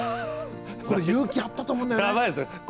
これ、勇気あったと思うんだよね。